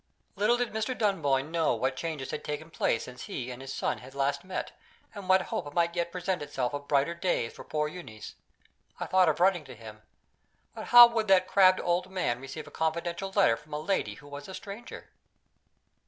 Little did Mr. Dunboyne know what changes had taken place since he and his son had last met, and what hope might yet present itself of brighter days for poor Euneece! I thought of writing to him. But how would that crabbed old man receive a confidential letter from a lady who was a stranger?